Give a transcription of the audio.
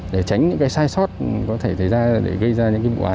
để tránh những sai sót có thể thể ra để gây ra những bộ án như hiện tại